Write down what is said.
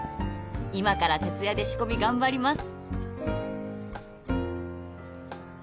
「今から徹夜で仕込み頑張ります！」